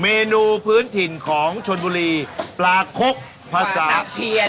เมนูพื้นทินของชนบุรีปลาโครพศาปลาตับเทียน